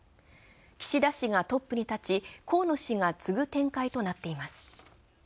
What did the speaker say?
岸田氏がトップに立ち、河野氏が次ぐ展開となっています。